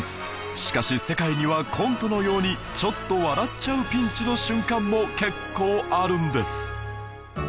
しかし世界にはコントのようにちょっと笑っちゃうピンチの瞬間も結構あるんです